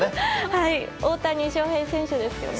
はい、大谷翔平選手ですよね。